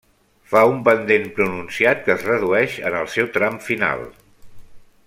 Fa un pendent pronunciat que es redueix en el seu tram final.